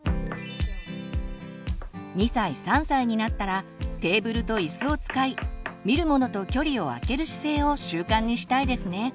２歳３歳になったらテーブルと椅子を使い見るものと距離をあける姿勢を習慣にしたいですね。